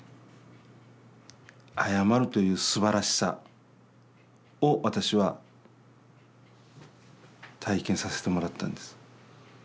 謝るというすばらしさを私は体験させてもらったんです。